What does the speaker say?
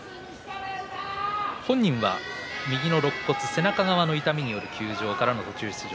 本人は右のろっ骨背中側の痛みによる休場からの出場。